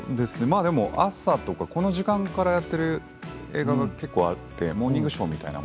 朝とかこの時間からやっている映画が結構あってモーニングショーみたいな。